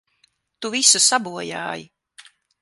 Tu visu sabojāji!